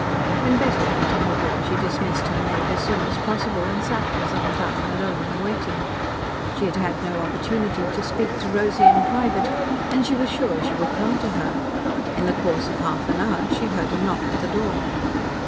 When Betty went to her room she dismissed her maid as soon as possible, and sat for some time alone and waiting. She had had no opportunity to speak to Rosy in private, and she was sure she would come to her. In the course of half an hour she heard a knock at the door.